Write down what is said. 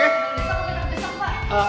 mendesak dan terdesak pak